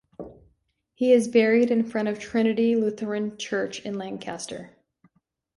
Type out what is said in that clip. He is buried in front of Trinity Lutheran Church in Lancaster.